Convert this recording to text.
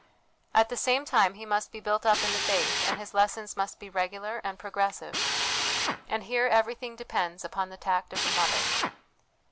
At the same time, he must be built up in the faith, and his lessons must be regular and progressive ; and here every thing depends upon the tact of the mother.